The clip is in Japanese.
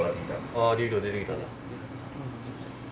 ああ流量出てきたな。